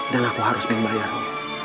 dan aku harus membayarmu